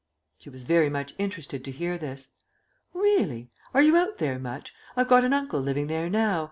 She was very much interested to hear this. "Really? Are you out there much? I've got an uncle living there now.